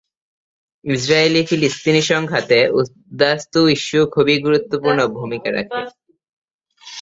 ইসরায়েলি-ফিলিস্তিনি সংঘাতে উদ্বাস্তু ইস্যু খুবই গুরুত্বপূর্ণ ভূমিকা রাখে।